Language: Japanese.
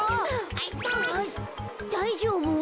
あっだいじょうぶ？